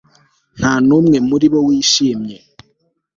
Nta numwe muri bo wishimye